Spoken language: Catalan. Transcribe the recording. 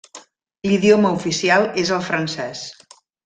L'idioma oficial és el francès.